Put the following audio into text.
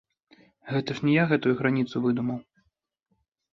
Гэта ж не я гэтую граніцу выдумаў.